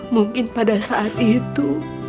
mungkin pada saat itu